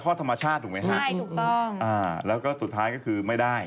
ข้อธรรมชาติถูกไหมฮะแล้วก็สุดท้ายก็คือไม่ได้